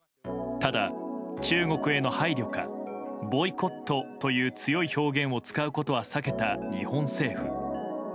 ただ、中国への配慮かボイコットという強い表現を使うことは避けた日本政府。